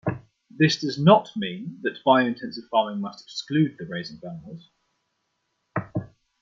This does not mean that biointensive farming must exclude the raising of animals.